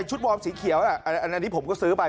วอร์มสีเขียวอันนี้ผมก็ซื้อไป